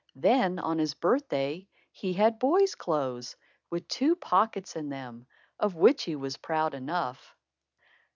Then, on his birthday, he had boy's clothes, with two pockets in them, of which he was proud enough.